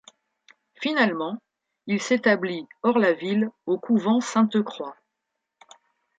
Finalement, il s'établit, hors la ville, au couvent Sainte-Croix.